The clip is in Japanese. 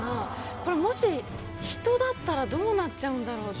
これもし人だったらどうなっちゃうんだろうって。